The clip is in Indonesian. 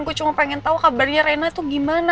gue cuma pengen tahu kabarnya rena tuh gimana